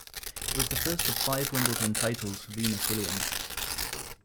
It was the first of five Wimbledon titles for Venus Williams.